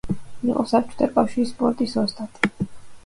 იყო საბჭოთა კავშირის სპორტის ოსტატი.